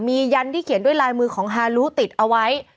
มียันที่เขียนด้วยลายมือของฮาลูติดเอาไว้